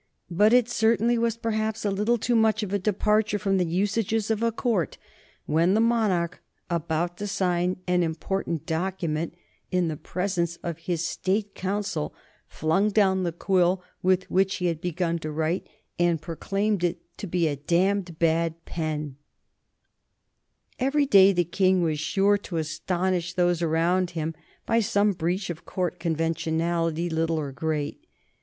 But it certainly was perhaps a little too much of a departure from the usages of a Court when the monarch, about to sign an important document in the presence of his State Council, flung down the quill with which he had begun to write and proclaimed it to be a damned bad pen. [Sidenote: 1830 37 Béranger's King of Yvetot] Every day the King was sure to astonish those around him by some breach of Court conventionality, little or great.